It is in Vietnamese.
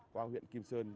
qua huyện kim sơn